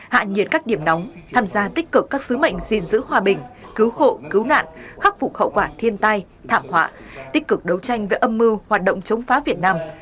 hạ nhiệt các điểm nóng tham gia tích cực các sứ mệnh gìn giữ hòa bình cứu hộ cứu nạn khắc phục hậu quả thiên tai thảm họa tích cực đấu tranh với âm mưu hoạt động chống phá việt nam